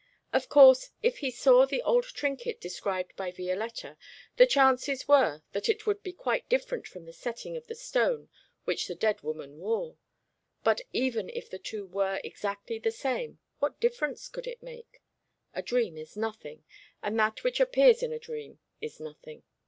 Of course if he saw the old trinket described by Violetta, the chances were that it would be quite different from the setting of the stone which the dead woman wore; but even if the two were exactly the same, what difference could it make? A dream is nothing, and that which appears in a dream is nothing.